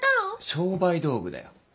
商売道具だよ。